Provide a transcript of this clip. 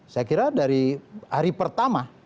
saya kira dari hari pertama